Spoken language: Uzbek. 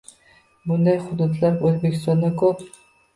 Bunday hududlar O‘zbekistonda ko‘p.